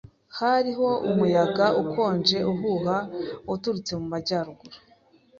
Hariho umuyaga ukonje uhuha uturutse mu majyaruguru.